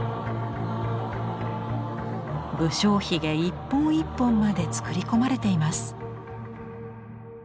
無精ひげ一本一本まで作り込まれています。